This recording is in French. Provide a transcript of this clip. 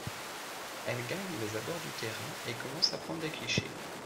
Elles gagnent les abords du terrain et commencent à prendre des clichés.